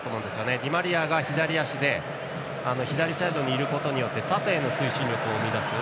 ディマリアが左足で左サイドにいることで縦への推進力を生み出す。